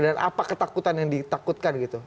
dan apa ketakutan yang ditakutkan gitu